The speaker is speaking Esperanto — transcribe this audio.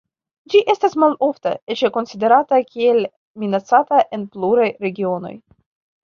Ĝi estas malofta, eĉ konsiderata kiel minacata en pluraj regionoj.